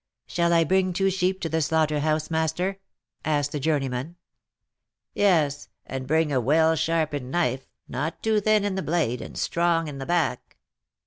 "Shall I bring two sheep to the slaughter house, master?" asked the journeyman. "Yes; and bring a well sharpened knife, not too thin in the blade, and strong in the back."